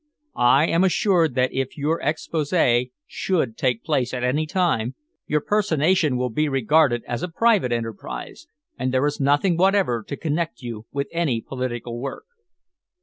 I am assured that if your exposé should take place at any time, your personation will be regarded as a private enterprise, and there is nothing whatever to connect you with any political work."